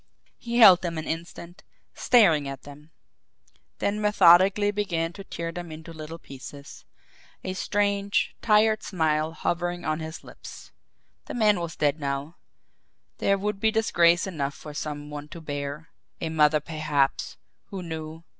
He held them an instant, staring at them, then methodically began to tear them into little pieces, a strange, tired smile hovering on his lips. The man was dead now there would be disgrace enough for some one to bear, a mother perhaps who knew!